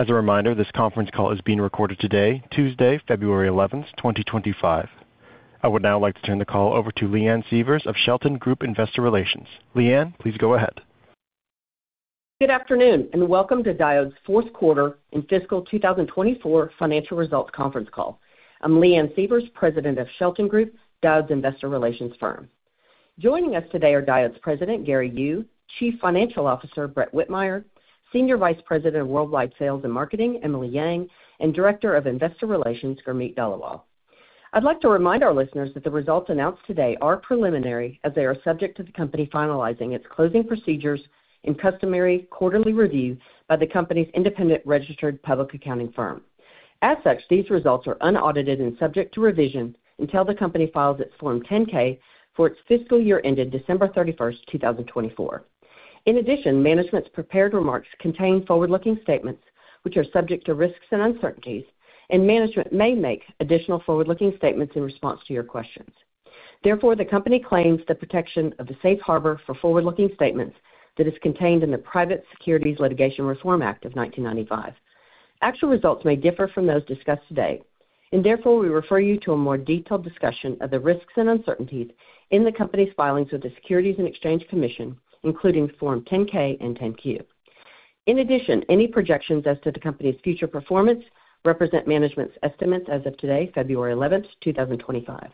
As a reminder, this conference call is being recorded today, Tuesday, February 11th, 2025. I would now like to turn the call over to Leanne Sievers of Shelton Group Investor Relations. Leanne, please go ahead. Good afternoon, and welcome to Diodes' Fourth Quarter and Fiscal 2024 Financial Results Conference Call. I'm Leanne Sievers, President of Shelton Group, Diodes' Investor Relations Firm. Joining us today are Diodes' President, Gary Yu, Chief Financial Officer, Brett Whitmire, Senior Vice President of Worldwide Sales and Marketing, Emily Yang, and Director of Investor Relations, Gurmeet Dhaliwal. I'd like to remind our listeners that the results announced today are preliminary as they are subject to the company finalizing its closing procedures and customary quarterly review by the company's independent registered public accounting firm. As such, these results are unaudited and subject to revision until the company files its Form 10-K for its fiscal year ended December 31st, 2024. In addition, management's prepared remarks contain forward-looking statements, which are subject to risks and uncertainties, and management may make additional forward-looking statements in response to your questions. Therefore, the company claims the protection of the safe harbor for forward-looking statements that is contained in the Private Securities Litigation Reform Act of 1995. Actual results may differ from those discussed today, and therefore we refer you to a more detailed discussion of the risks and uncertainties in the company's filings with the Securities and Exchange Commission, including Form 10-K and 10-Q. In addition, any projections as to the company's future performance represent management's estimates as of today, February 11th, 2025.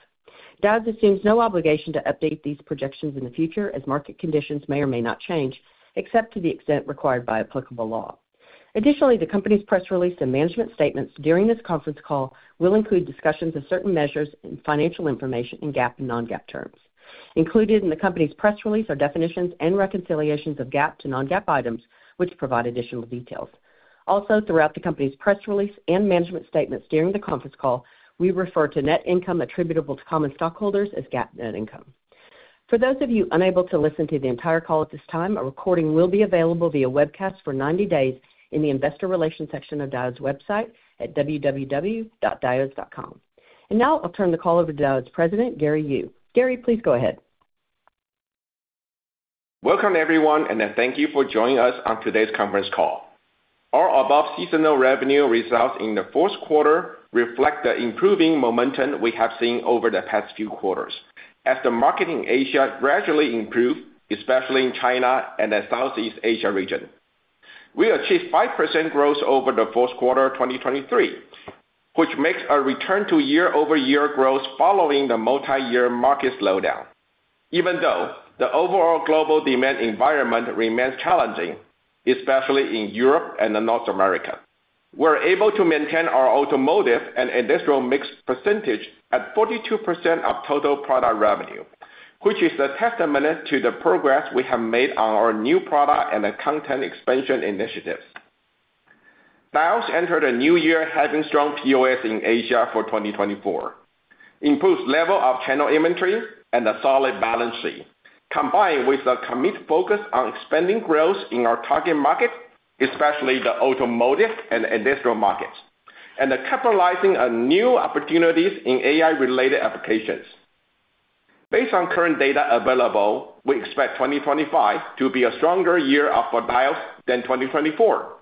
Diodes assumes no obligation to update these projections in the future as market conditions may or may not change, except to the extent required by applicable law. Additionally, the company's press release and management statements during this conference call will include discussions of certain measures and financial information in GAAP and non-GAAP terms. Included in the company's press release are definitions and reconciliations of GAAP to non-GAAP items, which provide additional details. Also, throughout the company's press release and management statements during the conference call, we refer to net income attributable to common stockholders as GAAP net income. For those of you unable to listen to the entire call at this time, a recording will be available via webcast for 90 days in the investor relations section of Diodes' website at www.diodes.com. And now I'll turn the call over to Diodes' president, Gary Yu. Gary, please go ahead. Welcome, everyone, and thank you for joining us on today's conference call. Our above-seasonal revenue results in the fourth quarter reflect the improving momentum we have seen over the past few quarters as the market in Asia gradually improved, especially in China and the Southeast Asia region. We achieved 5% growth over the fourth quarter of 2023, which makes a return to year-over-year growth following the multi-year market slowdown. Even though the overall global demand environment remains challenging, especially in Europe and North America, we're able to maintain our automotive and industrial mix percentage at 42% of total product revenue, which is a testament to the progress we have made on our new product and the content expansion initiatives. Diodes entered a new year having strong POS in Asia for 2024, improved level of channel inventory, and a solid balance sheet, combined with a committed focus on expanding growth in our target market, especially the automotive and industrial markets, and capitalizing on new opportunities in AI-related applications. Based on current data available, we expect 2025 to be a stronger year for Diodes than 2024.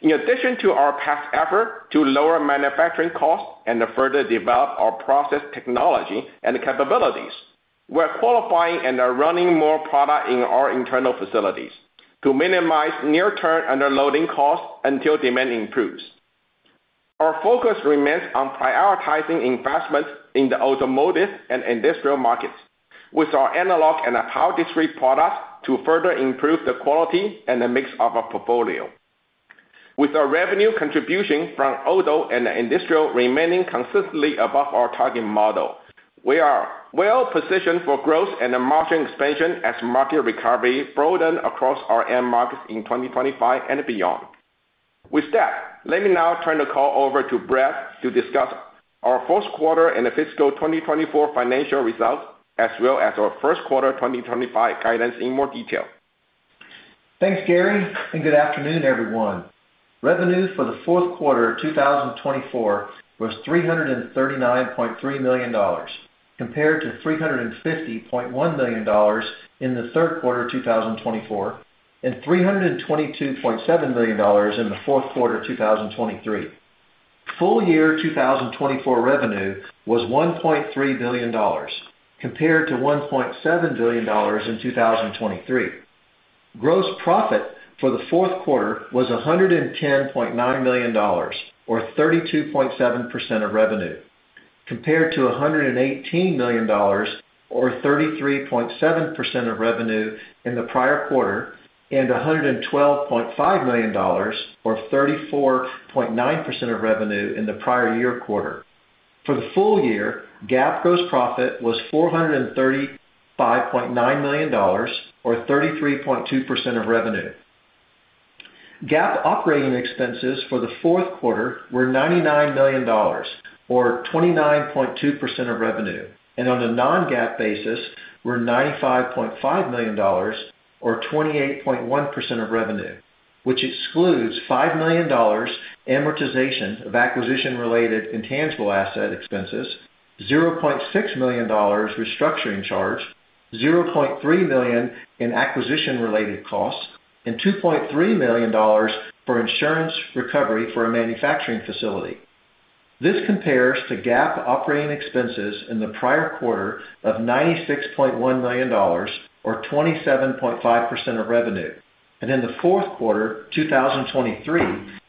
In addition to our past effort to lower manufacturing costs and further develop our process technology and capabilities, we're qualifying and running more product in our internal facilities to minimize near-term underloading costs until demand improves. Our focus remains on prioritizing investments in the automotive and industrial markets with our analog and power discrete products to further improve the quality and the mix of our portfolio. With our revenue contribution from auto and industrial remaining consistently above our target model, we are well positioned for growth and margin expansion as market recovery broadens across our end markets in 2025 and beyond. With that, let me now turn the call over to Brett to discuss our fourth quarter and the fiscal 2024 financial results, as well as our first quarter 2025 guidance in more detail. Thanks, Gary, and good afternoon, everyone. Revenue for the fourth quarter of 2024 was $339.3 million compared to $350.1 million in the third quarter of 2024 and $322.7 million in the fourth quarter of 2023. Full year 2024 revenue was $1.3 billion compared to $1.7 billion in 2023. Gross profit for the fourth quarter was $110.9 million, or 32.7% of revenue, compared to $118 million, or 33.7% of revenue in the prior quarter, and $112.5 million, or 34.9% of revenue in the prior year quarter. For the full year, GAAP gross profit was $435.9 million, or 33.2% of revenue. GAAP operating expenses for the fourth quarter were $99 million, or 29.2% of revenue, and on a non-GAAP basis, were $95.5 million, or 28.1% of revenue, which excludes $5 million amortization of acquisition-related intangible asset expenses, $0.6 million restructuring charge, $0.3 million in acquisition-related costs, and $2.3 million for insurance recovery for a manufacturing facility. This compares to GAAP operating expenses in the prior quarter of $96.1 million, or 27.5% of revenue, and in the fourth quarter 2023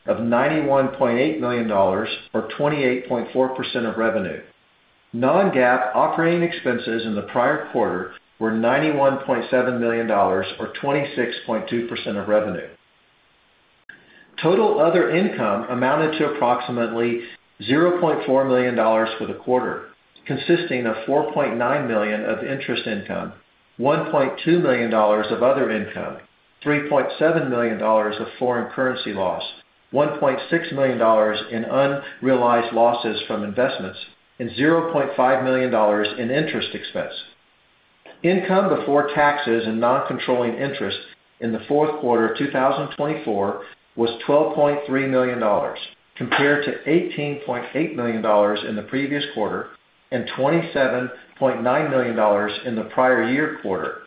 of $91.8 million, or 28.4% of revenue. Non-GAAP operating expenses in the prior quarter were $91.7 million, or 26.2% of revenue. Total other income amounted to approximately $0.4 million for the quarter, consisting of $4.9 million of interest income, $1.2 million of other income, $3.7 million of foreign currency loss, $1.6 million in unrealized losses from investments, and $0.5 million in interest expense. Income before taxes and non-controlling interest in the fourth quarter of 2024 was $12.3 million, compared to $18.8 million in the previous quarter and $27.9 million in the prior year quarter.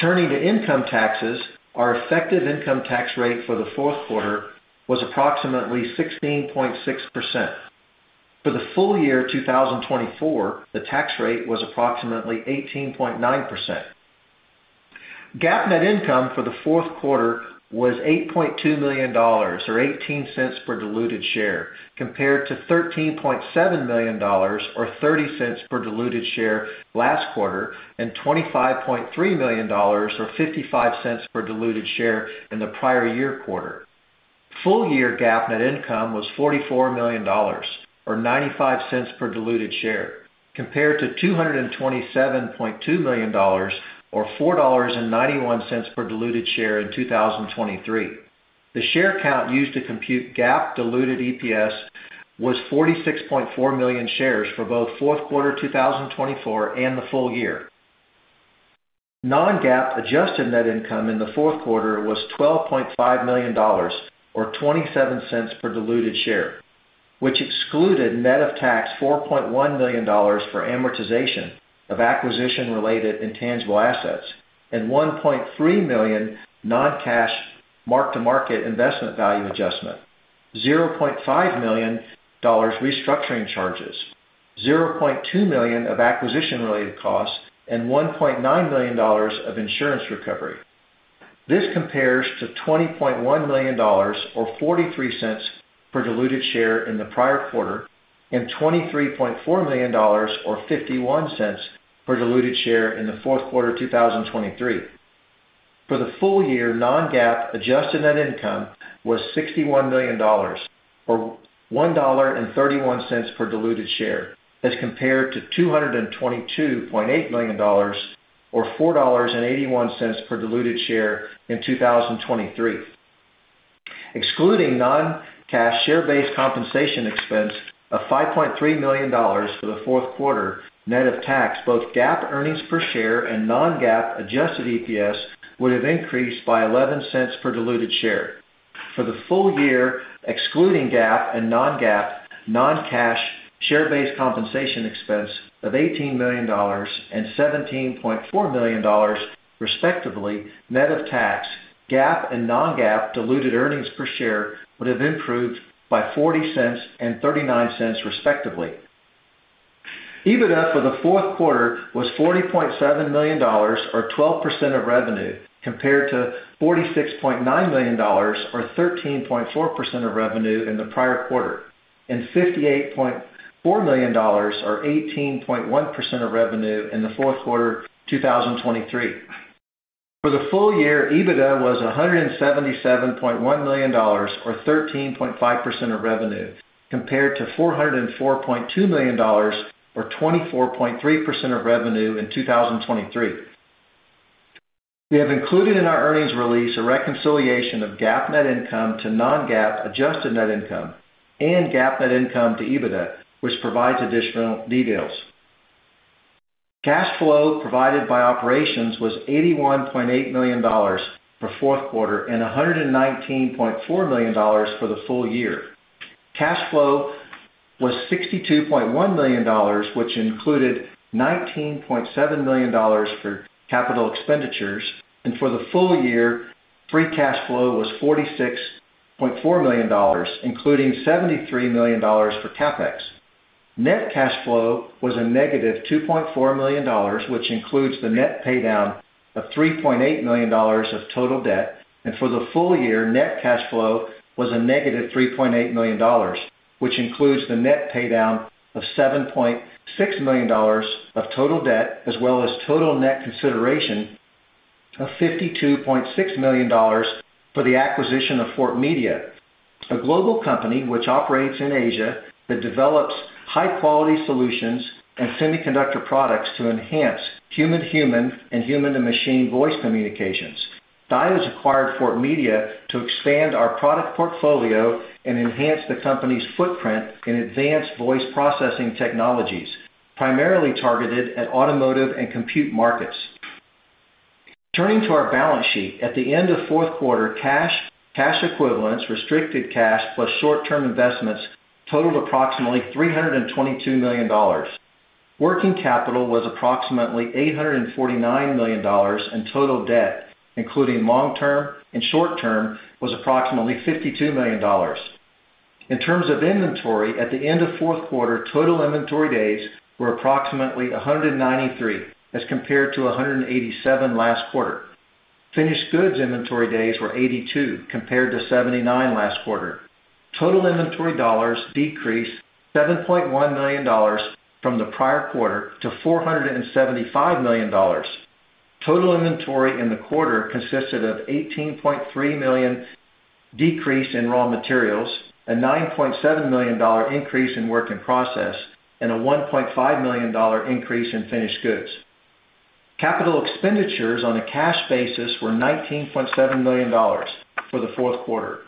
Turning to income taxes, our effective income tax rate for the fourth quarter was approximately 16.6%. For the full year 2024, the tax rate was approximately 18.9%. GAAP net income for the fourth quarter was $8.2 million, or $0.18 per diluted share, compared to $13.7 million, or $0.30 per diluted share last quarter, and $25.3 million, or $0.55 per diluted share in the prior year quarter. Full year GAAP net income was $44 million, or $0.95 per diluted share, compared to $227.2 million, or $4.91 per diluted share in 2023. The share count used to compute GAAP diluted EPS was 46.4 million shares for both fourth quarter 2024 and the full year. Non-GAAP adjusted net income in the fourth quarter was $12.5 million, or $0.27 per diluted share, which excluded net of tax $4.1 million for amortization of acquisition-related intangible assets and $1.3 million non-cash mark-to-market investment value adjustment, $0.5 million restructuring charges, $0.2 million of acquisition-related costs, and $1.9 million of insurance recovery. This compares to $20.1 million, or $0.43 per diluted share in the prior quarter, and $23.4 million, or $0.51 per diluted share in the fourth quarter 2023. For the full year, non-GAAP adjusted net income was $61 million, or $1.31 per diluted share, as compared to $222.8 million, or $4.81 per diluted share in 2023. Excluding non-cash share-based compensation expense of $5.3 million for the fourth quarter net of tax, both GAAP earnings per share and non-GAAP adjusted EPS would have increased by $0.11 per diluted share. For the full year, excluding GAAP and non-GAAP, non-cash share-based compensation expense of $18 million and $17.4 million, respectively, net of tax, GAAP and non-GAAP diluted earnings per share would have improved by $0.40 and $0.39, respectively. EBITDA for the fourth quarter was $40.7 million, or 12% of revenue, compared to $46.9 million, or 13.4% of revenue in the prior quarter, and $58.4 million, or 18.1% of revenue in the fourth quarter 2023. For the full year, EBITDA was $177.1 million, or 13.5% of revenue, compared to $404.2 million, or 24.3% of revenue in 2023. We have included in our earnings release a reconciliation of GAAP net income to non-GAAP adjusted net income and GAAP net income to EBITDA, which provides additional details. Cash flow provided by operations was $81.8 million for fourth quarter and $119.4 million for the full year. Cash flow was $62.1 million, which included $19.7 million for capital expenditures, and for the full year, free cash flow was $46.4 million, including $73 million for CapEx. Net cash flow was a negative $2.4 million, which includes the net paydown of $3.8 million of total debt, and for the full year, net cash flow was a negative $3.8 million, which includes the net paydown of $7.6 million of total debt, as well as total net consideration of $52.6 million for the acquisition of Fortemedia, a global company which operates in Asia that develops high-quality solutions and semiconductor products to enhance human-to-human and human-to-machine voice communications. Diodes acquired Fortemedia to expand our product portfolio and enhance the company's footprint in advanced voice processing technologies, primarily targeted at automotive and compute markets. Turning to our balance sheet, at the end of fourth quarter, cash, cash equivalents, restricted cash, plus short-term investments totaled approximately $322 million. Working capital was approximately $849 million, and total debt, including long-term and short-term, was approximately $52 million. In terms of inventory, at the end of fourth quarter, total inventory days were approximately 193, as compared to 187 last quarter. Finished goods inventory days were 82, compared to 79 last quarter. Total inventory dollars decreased $7.1 million from the prior quarter to $475 million. Total inventory in the quarter consisted of $18.3 million decrease in raw materials, a $9.7 million increase in work in process, and a $1.5 million increase in finished goods. Capital expenditures on a cash basis were $19.7 million for the fourth quarter,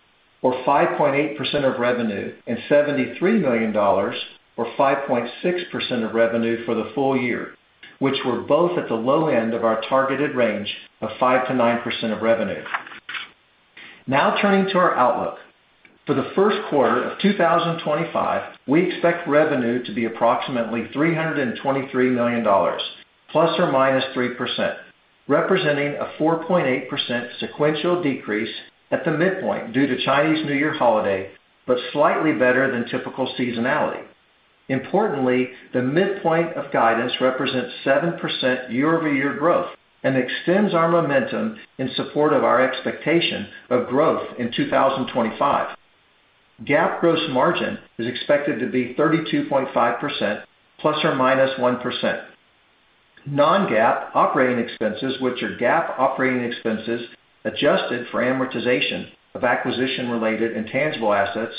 or 5.8% of revenue, and $73 million, or 5.6% of revenue for the full year, which were both at the low end of our targeted range of 5%-9% of revenue. Now turning to our outlook. For the first quarter of 2025, we expect revenue to be approximately $323 million, plus or minus 3%, representing a 4.8% sequential decrease at the midpoint due to Chinese New Year holiday, but slightly better than typical seasonality. Importantly, the midpoint of guidance represents 7% year-over-year growth and extends our momentum in support of our expectation of growth in 2025. GAAP gross margin is expected to be 32.5%, plus or minus 1%. Non-GAAP operating expenses, which are GAAP operating expenses adjusted for amortization of acquisition-related intangible assets,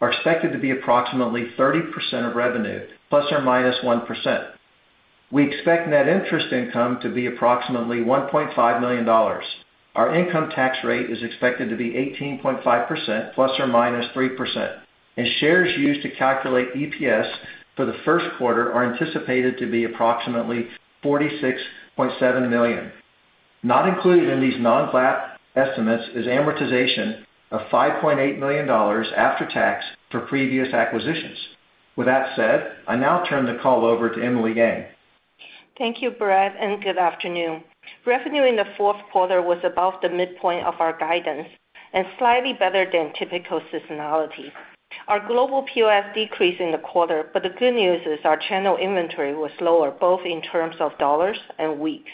are expected to be approximately 30% of revenue, plus or minus 1%. We expect net interest income to be approximately $1.5 million. Our income tax rate is expected to be 18.5%, plus or minus 3%, and shares used to calculate EPS for the first quarter are anticipated to be approximately 46.7 million. Not included in these non-GAAP estimates is amortization of $5.8 million after tax for previous acquisitions. With that said, I now turn the call over to Emily Yang. Thank you, Brett, and good afternoon. Revenue in the fourth quarter was above the midpoint of our guidance and slightly better than typical seasonality. Our global POS decreased in the quarter, but the good news is our channel inventory was lower, both in terms of dollars and weeks.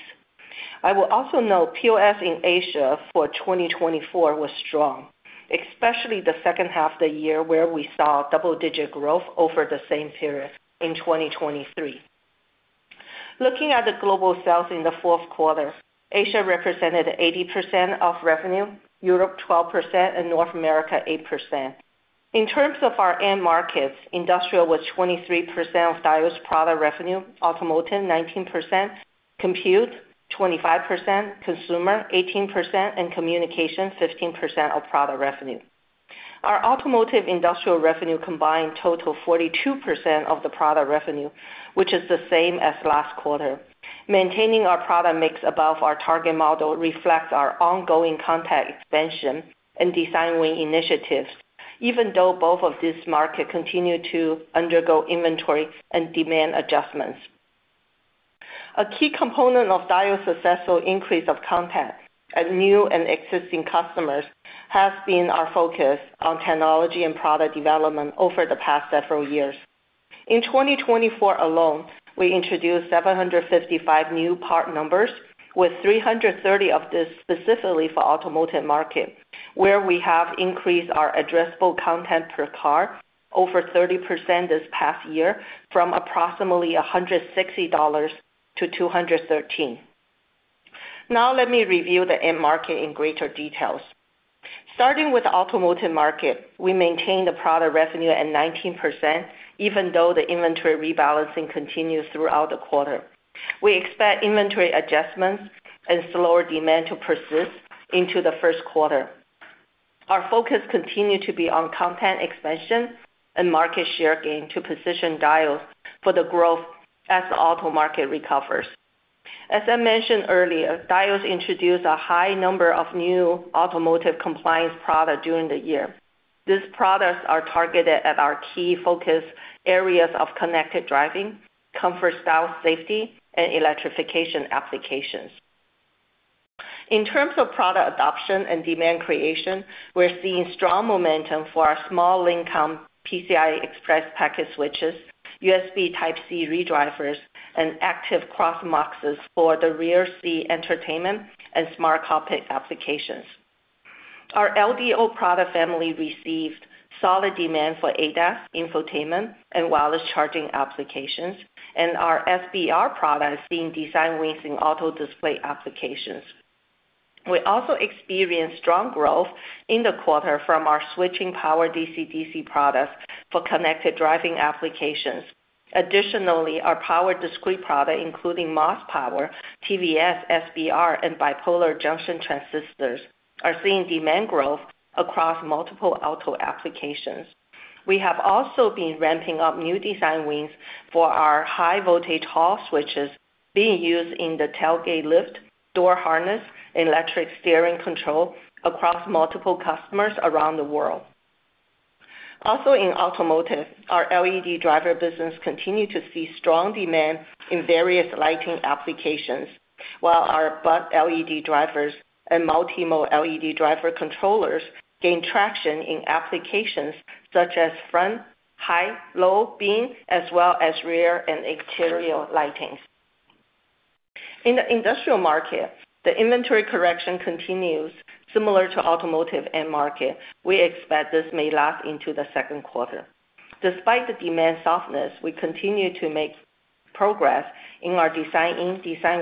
I will also note POS in Asia for 2024 was strong, especially the second half of the year where we saw double-digit growth over the same period in 2023. Looking at the global sales in the fourth quarter, Asia represented 80% of revenue, Europe 12%, and North America 8%. In terms of our end markets, industrial was 23% of Diodes' product revenue, automotive 19%, compute 25%, consumer 18%, and communication 15% of product revenue. Our automotive industrial revenue combined totaled 42% of the product revenue, which is the same as last quarter. Maintaining our product mix above our target model reflects our ongoing content expansion and design win initiatives, even though both of these markets continue to undergo inventory and demand adjustments. A key component of Diodes' successful increase of content at new and existing customers has been our focus on technology and product development over the past several years. In 2024 alone, we introduced 755 new part numbers, with 330 of these specifically for the automotive market, where we have increased our addressable content per car over 30% this past year from approximately $160 to $213. Now let me review the end market in greater detail. Starting with the automotive market, we maintained the product revenue at 19%, even though the inventory rebalancing continued throughout the quarter. We expect inventory adjustments and slower demand to persist into the first quarter. Our focus continued to be on content expansion and market share gain to position Diodes for the growth as the auto market recovers. As I mentioned earlier, Diodes introduced a high number of new automotive compliance products during the year. These products are targeted at our key focus areas of connected driving, comfort, style, safety, and electrification applications. In terms of product adoption and demand creation, we're seeing strong momentum for our small form factor PCI Express Packet switches, USB Type-C redrivers, and active cross-muxes for the rear-seat entertainment and smart cockpit applications. Our LDO product family received solid demand for ADAS, infotainment, and wireless charging applications, and our SBR products seen design wins in auto display applications. We also experienced strong growth in the quarter from our switching power DC-DC products for connected driving applications. Additionally, our power discrete product, including MOS power, TVS, SBR, and bipolar junction transistors, are seeing demand growth across multiple auto applications. We have also been ramping up new design wins for our high-voltage Hall switches being used in the tailgate lift, door harness, and electric steering control across multiple customers around the world. Also, in automotive, our LED driver business continued to see strong demand in various lighting applications, while our buck LED drivers and multi-mode LED driver controllers gained traction in applications such as front, high, low, beam, as well as rear and exterior lighting. In the industrial market, the inventory correction continues similar to automotive end market. We expect this may last into the second quarter. Despite the demand softness, we continue to make progress in our design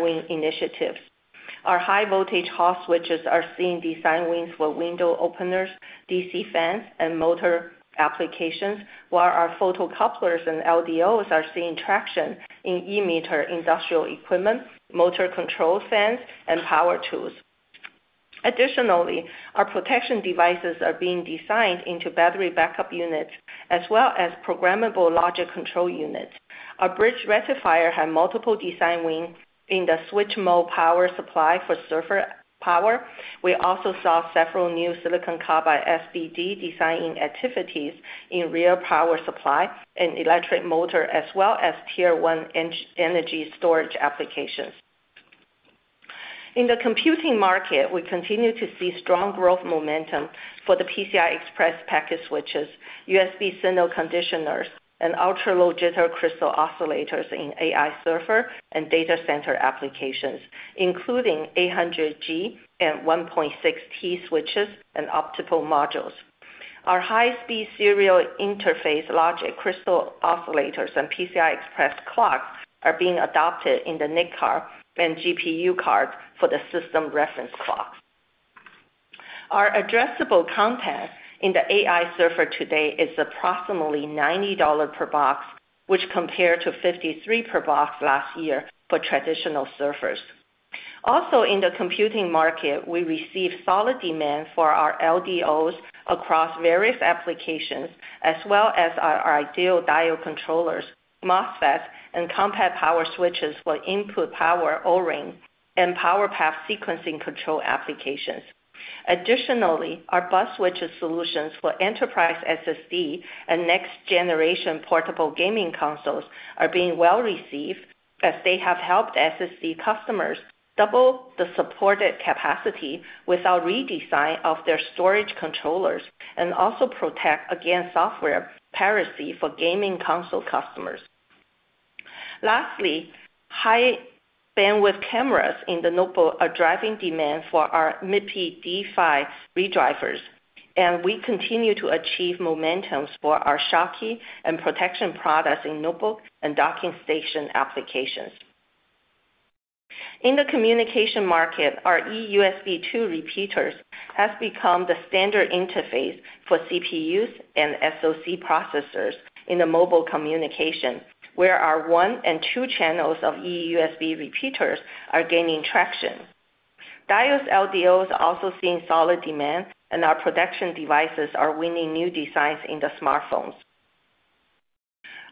win initiatives. Our high-voltage Hall switches are seeing design wins for window openers, DC fans, and motor applications, while our optocouplers and LDOs are seeing traction in e-meter industrial equipment, motor control fans, and power tools. Additionally, our protection devices are being designed into battery backup units, as well as programmable logic control units. Our bridge rectifier had multiple design wins in the switch mode power supply for server power. We also saw several new silicon carbide SBD design activities in rear power supply and electric motor, as well as tier one energy storage applications. In the computing market, we continue to see strong growth momentum for the PCI Express Packet switches, USB signal conditioners, and ultra-low jitter crystal oscillators in AI server and data center applications, including 800G and 1.6T switches and optical modules. Our high-speed serial interface, logic, crystal oscillators and PCI Express clocks are being adopted in the NIC card and GPU cards for the system reference clocks. Our addressable content in the AI server today is approximately $90 per box, which, compared to $53 per box last year for traditional servers. Also, in the computing market, we received solid demand for our LDOs across various applications, as well as our ideal diode controllers, MOSFETs, and compact power switches for input power ORing and power path sequencing control applications. Additionally, our buck switches solutions for enterprise SSD and next-generation portable gaming consoles are being well-received, as they have helped SSD customers double the supported capacity without redesign of their storage controllers and also protect against software piracy for gaming console customers. Lastly, high-bandwidth cameras in the notebook are driving demand for our MIPI D-PHY redrivers, and we continue to achieve momentum for our Schottky and protection products in notebook and docking station applications. In the communication market, our eUSB2 repeaters have become the standard interface for CPUs and SoC processors in the mobile communication, where our one and two channels of eUSB repeaters are gaining traction. Diodes LDOs are also seeing solid demand, and our protection devices are winning new designs in the smartphones.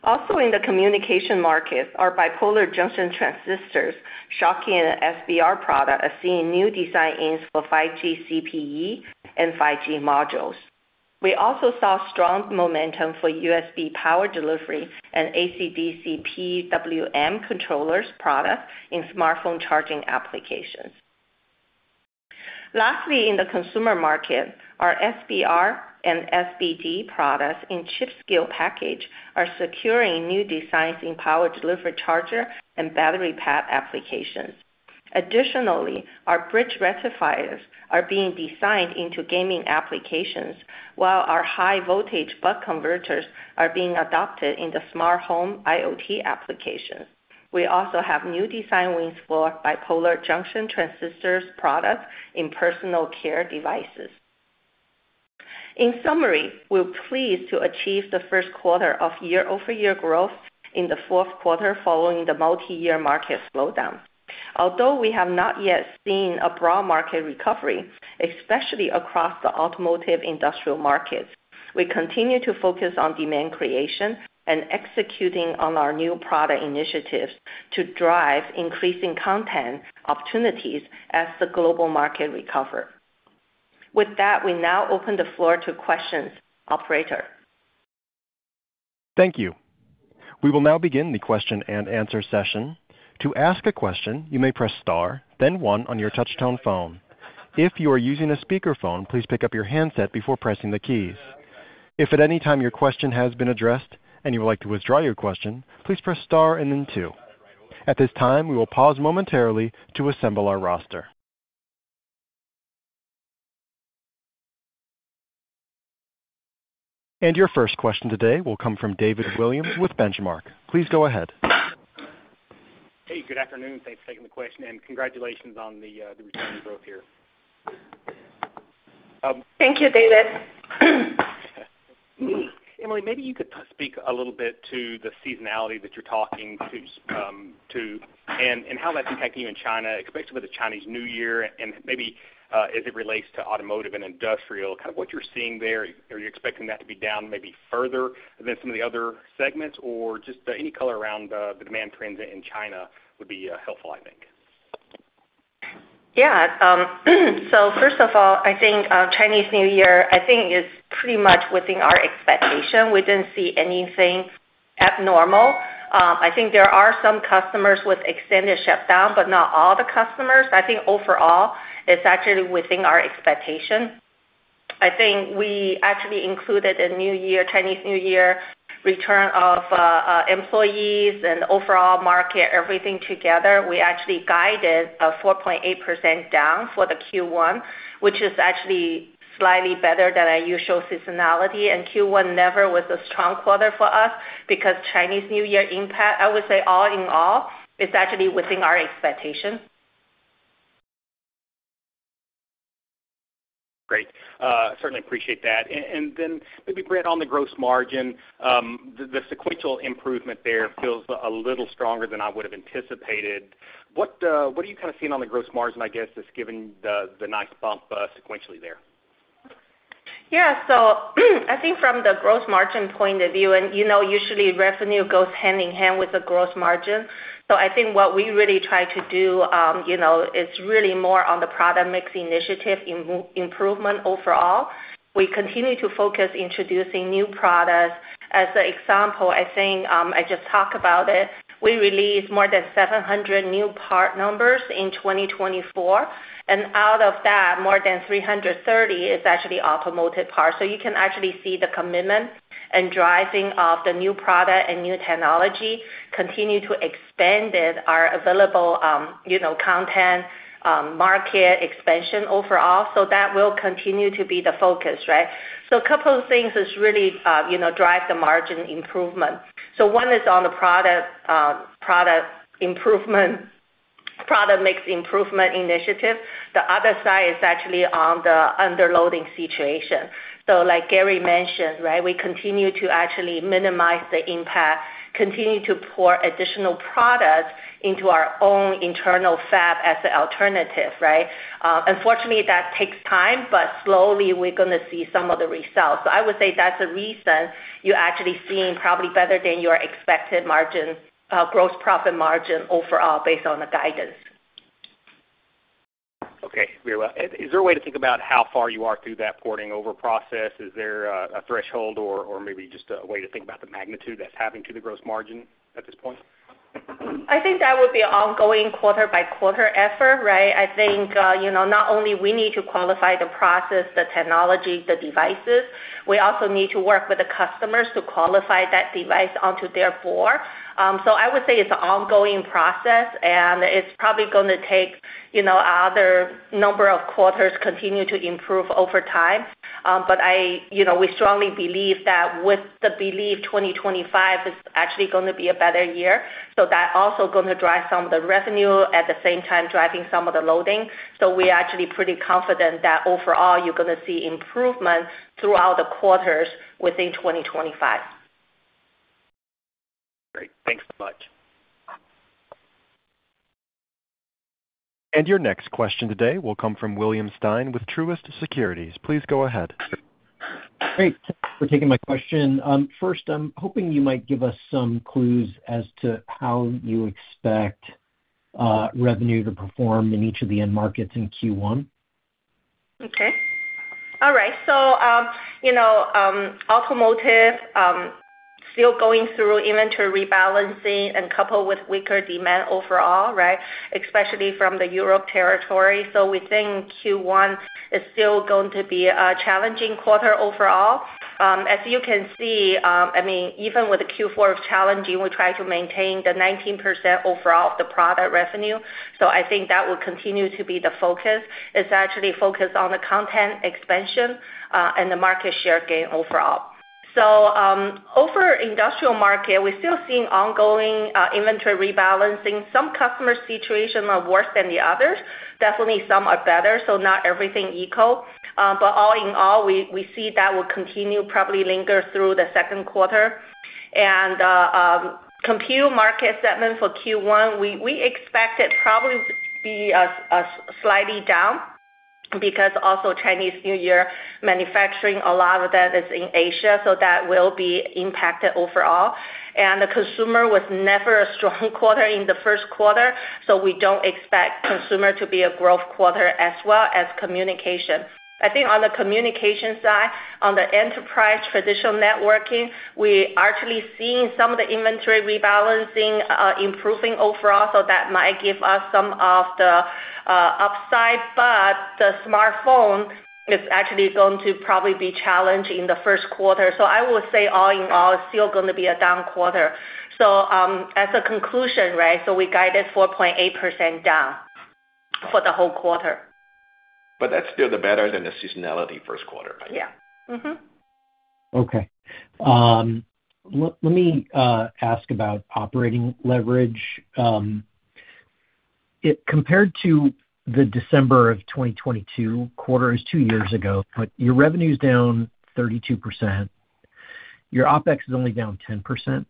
Also, in the communication market, our bipolar junction transistors, Schottky and SBR products are seeing new design wins for 5G CPE and 5G modules. We also saw strong momentum for USB Power Delivery and AC-DC PWM controller products in smartphone charging applications. Lastly, in the consumer market, our SBR and SBD products in chip-scale package are securing new designs in power delivery charger and battery pack applications. Additionally, our bridge rectifiers are being designed into gaming applications, while our high-voltage buck converters are being adopted in the smart home IoT applications. We also have new design wins for bipolar junction transistors products in personal care devices. In summary, we're pleased to achieve the first quarter of year-over-year growth in the fourth quarter following the multi-year market slowdown. Although we have not yet seen a broad market recovery, especially across the automotive industrial markets, we continue to focus on demand creation and executing on our new product initiatives to drive increasing content opportunities as the global market recovers. With that, we now open the floor to questions, operator. Thank you. We will now begin the question and answer session. To ask a question, you may press star, then one on your touch-tone phone. If you are using a speakerphone, please pick up your handset before pressing the keys. If at any time your question has been addressed and you would like to withdraw your question, please press star and then two. At this time, we will pause momentarily to assemble our roster, and your first question today will come from David Williams with Benchmark. Please go ahead. Hey, good afternoon. Thanks for taking the question, and congratulations on the return to growth here. Thank you, David. Emily, maybe you could speak a little bit to the seasonality that you're talking to and how that's impacting you in China, especially with the Chinese New Year, and maybe as it relates to automotive and industrial. Kind of what you're seeing there, are you expecting that to be down maybe further than some of the other segments, or just any color around the demand trends in China would be helpful, I think? Yeah. So first of all, I think Chinese New Year, I think, is pretty much within our expectation. We didn't see anything abnormal. I think there are some customers with extended shutdown, but not all the customers. I think overall, it's actually within our expectation. I think we actually included the Chinese New Year return of employees and overall market, everything together. We actually guided a 4.8% down for the Q1, which is actually slightly better than our usual seasonality. And Q1 never was a strong quarter for us because Chinese New Year impact, I would say all in all, is actually within our expectation. Great. Certainly appreciate that. And then maybe, Brett, on the gross margin, the sequential improvement there feels a little stronger than I would have anticipated. What are you kind of seeing on the gross margin, I guess, just given the nice bump sequentially there? Yeah. So I think from the gross margin point of view, and usually revenue goes hand in hand with the gross margin. So I think what we really try to do is really more on the product mix initiative improvement overall. We continue to focus on introducing new products. As an example, I think I just talked about it. We released more than 700 new part numbers in 2024, and out of that, more than 330 is actually automotive parts. So you can actually see the commitment and driving of the new product and new technology continue to expand our available content market expansion overall. So that will continue to be the focus, right? So a couple of things that really drive the margin improvement. So one is on the product improvement, product mix improvement initiative. The other side is actually on the underloading situation. So like Gary mentioned, right, we continue to actually minimize the impact, continue to pour additional product into our own internal fab as an alternative, right? Unfortunately, that takes time, but slowly we're going to see some of the results. So I would say that's a reason you're actually seeing probably better than your expected margin, gross profit margin overall based on the guidance. Okay. Very well. Is there a way to think about how far you are through that porting over process? Is there a threshold or maybe just a way to think about the magnitude that's having to the gross margin at this point? I think that would be an ongoing quarter-by-quarter effort, right? I think not only do we need to qualify the process, the technology, the devices, we also need to work with the customers to qualify that device onto their board. So I would say it's an ongoing process, and it's probably going to take another number of quarters to continue to improve over time. But we strongly believe that with the belief 2025 is actually going to be a better year. So that's also going to drive some of the revenue at the same time driving some of the loading. So we're actually pretty confident that overall you're going to see improvement throughout the quarters within 2025. Great. Thanks so much. And your next question today will come from William Stein with Truist Securities. Please go ahead. Great. Thanks for taking my question. First, I'm hoping you might give us some clues as to how you expect revenue to perform in each of the end markets in Q1. Okay. All right. So automotive is still going through inventory rebalancing and coupled with weaker demand overall, right, especially from the Europe territory. So we think Q1 is still going to be a challenging quarter overall. As you can see, I mean, even with the Q4 challenging, we tried to maintain the 19% overall of the product revenue. So I think that will continue to be the focus. It's actually focused on the content expansion and the market share gain overall. So over industrial market, we're still seeing ongoing inventory rebalancing. Some customer situations are worse than the others. Definitely, some are better. So not everything equal. But all in all, we see that will continue probably linger through the second quarter. And the computer market segment for Q1, we expect it probably to be slightly down because also Chinese New Year manufacturing, a lot of that is in Asia, so that will be impacted overall. And the consumer was never a strong quarter in the first quarter, so we don't expect consumer to be a growth quarter as well as communication. I think on the communication side, on the enterprise traditional networking, we're actually seeing some of the inventory rebalancing improving overall. So that might give us some of the upside, but the smartphone is actually going to probably be challenged in the first quarter. So I will say all in all, it's still going to be a down quarter. So as a conclusion, right, so we guided 4.8% down for the whole quarter. But that's still better than the seasonality first quarter, right? Yeah. Okay. Let me ask about operating leverage. Compared to the December of 2022 quarters, two years ago, your revenue is down 32%. Your OpEx is only down 10%,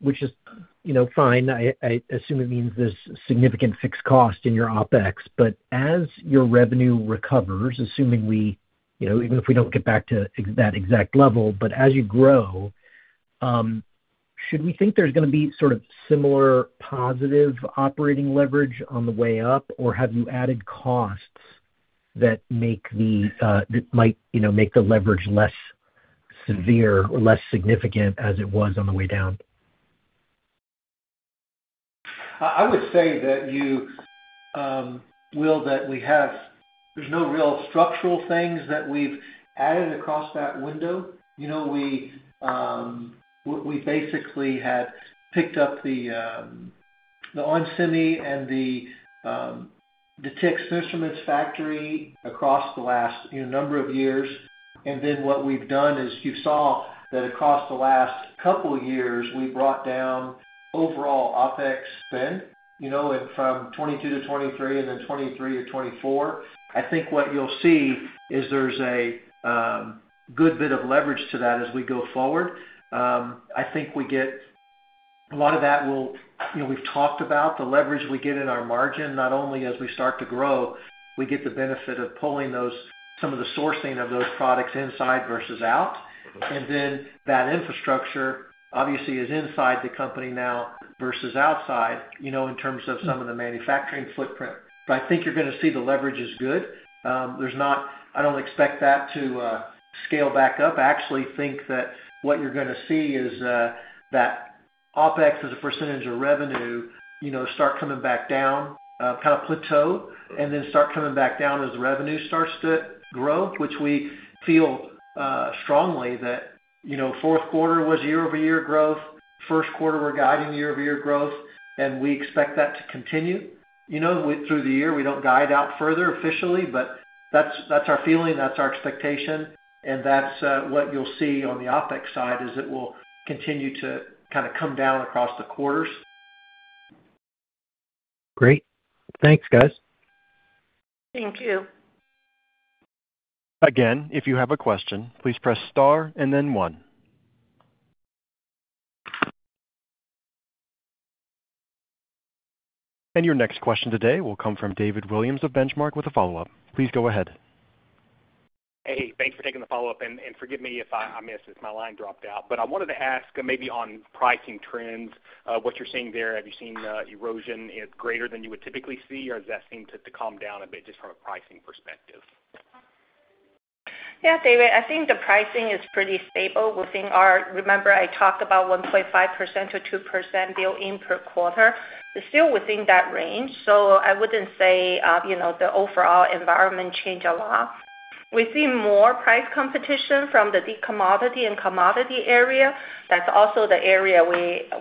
which is fine. I assume it means there's significant fixed cost in your OpEx. But as your revenue recovers, assuming we even if we don't get back to that exact level, but as you grow, should we think there's going to be sort of similar positive operating leverage on the way up, or have you added costs that might make the leverage less severe or less significant as it was on the way down? I would say that we have. There's no real structural things that we've added across that window. We basically had picked up the Onsemi and the Texas Instruments factory across the last number of years. And then what we've done is you saw that across the last couple of years, we brought down overall OpEx spend from 2022 to 2023 and then 2023 to 2024. I think what you'll see is there's a good bit of leverage to that as we go forward. I think we get a lot of that. We've talked about the leverage we get in our margin. Not only as we start to grow, we get the benefit of pulling some of the sourcing of those products inside versus out. And then that infrastructure, obviously, is inside the company now versus outside in terms of some of the manufacturing footprint. But I think you're going to see the leverage is good. I don't expect that to scale back up. I actually think that what you're going to see is that OpEx as a percentage of revenue start coming back down, kind of plateau, and then start coming back down as the revenue starts to grow, which we feel strongly that fourth quarter was year-over-year growth. First quarter, we're guiding year-over-year growth, and we expect that to continue through the year. We don't guide out further officially, but that's our feeling. That's our expectation. And that's what you'll see on the OpEx side as it will continue to kind of come down across the quarters. Great. Thanks, guys. Thank you. Again, if you have a question, please press star and then one. And your next question today will come from David Williams of Benchmark with a follow-up. Please go ahead. Hey, thanks for taking the follow-up. And forgive me if I missed it. My line dropped out. But I wanted to ask maybe on pricing trends, what you're seeing there. Have you seen erosion greater than you would typically see, or does that seem to calm down a bit just from a pricing perspective? Yeah, David, I think the pricing is pretty stable. Remember, I talked about 1.5%-2% build-in per quarter. It's still within that range. So I wouldn't say the overall environment changed a lot. We see more price competition from the commodity area. That's also the area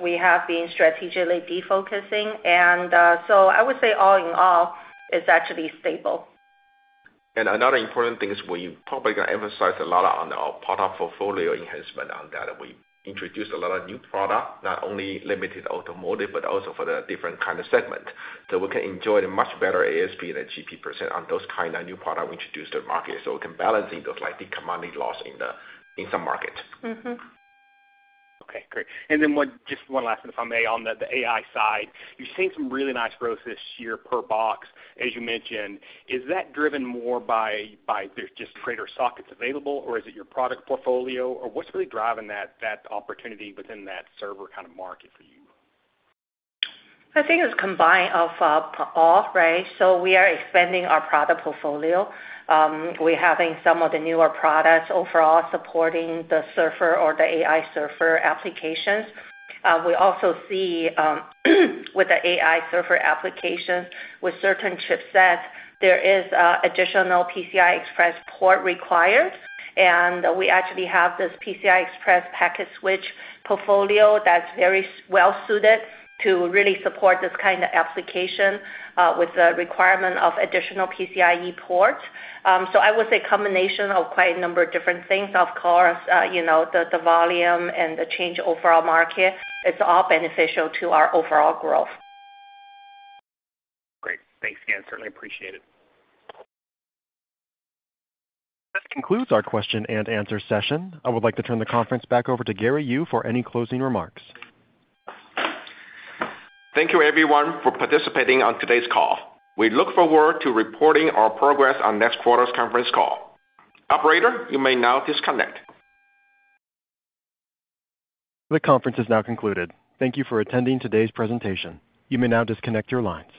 we have been strategically defocusing. And so I would say all in all, it's actually stable. Another important thing is we're probably going to emphasize a lot on our product portfolio enhancement on that. We introduced a lot of new products, not only limited automotive, but also for the different kind of segment. So we can enjoy a much better ASP and a GP% on those kind of new products we introduced to the market. So we can balance into slightly commodity loss in some markets. Okay. Great. Then just one last thing, if I may, on the AI side. You're seeing some really nice growth this year per box, as you mentioned. Is that driven more by just greater sockets available, or is it your product portfolio, or what's really driving that opportunity within that server kind of market for you? I think it's combined of all, right? So we are expanding our product portfolio. We're having some of the newer products overall supporting the server or the AI server applications. We also see with the AI server applications, with certain chipsets, there is additional PCI Express port required. And we actually have this PCI Express packet switch portfolio that's very well-suited to really support this kind of application with the requirement of additional PCIe ports. So I would say a combination of quite a number of different things, of course, the volume and the change overall market. It's all beneficial to our overall growth. Great. Thanks again. Certainly appreciate it. This concludes our question and answer session. I would like to turn the conference back over to Gary Yu for any closing remarks. Thank you, everyone, for participating on today's call. We look forward to reporting our progress on next quarter's conference call. Operator, you may now disconnect. The conference is now concluded. Thank you for attending today's presentation. You may now disconnect your lines.